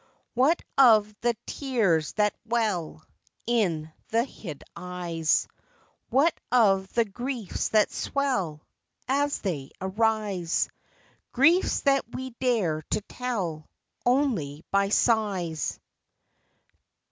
What of the tears that well In the hid eyes ? What of the griefs that swell As they arise ? Griefs that we dare to tell Only by sighs.